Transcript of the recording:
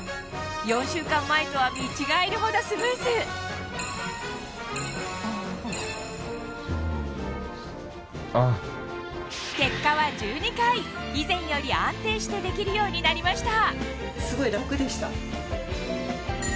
４週間前とは見違えるほどスムーズ結果は１２回以前より安定してできるようになりました